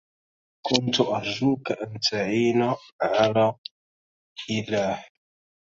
كنت أرجوك أن تعين على اله